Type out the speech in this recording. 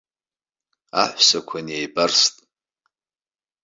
Аҳәсақәа неибарст.